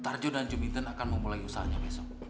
tarjo dan jumiten akan memulai usahanya besok